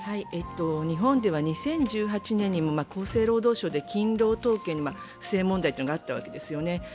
日本では２０１８年にも厚生労働省で勤労統計に不正問題があったわけですよね。